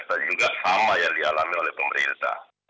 tapi juga sama yang dialami oleh pemerintah